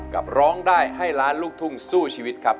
ร้องได้ให้ล้านลูกทุ่งสู้ชีวิตครับ